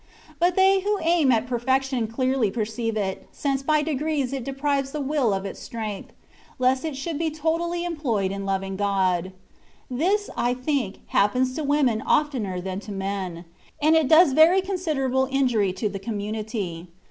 But they who aim at perfection clearly perceive it, since by degrees it deprives the will of its strength, lest it should be totally employed in loving God. This, I think, happens to women oftener than to men, and it does very considerable injury ta the community.